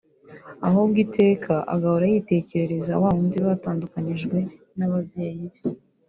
ahubwo iteka agahora yitekerereza wawundi batandukanyijwe n’ababyeyi be